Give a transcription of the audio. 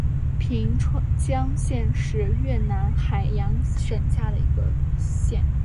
平江县是越南海阳省下辖的一个县。